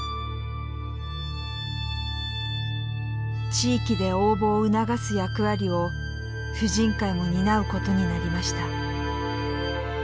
地域で応募を促す役割を婦人会も担うことになりました。